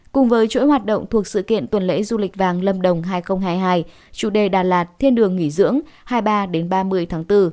cùng với chuỗi hoạt động thuộc sự kiện tuần lễ du lịch vàng lâm đồng hai nghìn hai mươi hai chủ đề đà lạt thiên đường nghỉ dưỡng hai mươi ba ba mươi tháng bốn